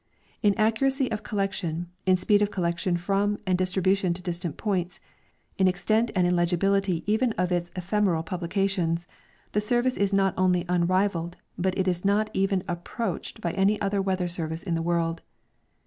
In accuracy of collation, in speed of collection from and distril)ution to distant points, in extent and in legibility even of its ephemeral publications, the service is not only unrivaled, l^ut is not even apj^roached by any other weather service in the world.